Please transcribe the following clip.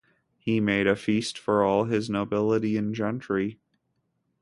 He made a feast for all his nobility and gentry.